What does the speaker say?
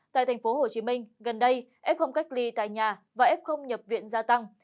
tại tp hcm gần đây f cách ly tại nhà và f nhập viện gia tăng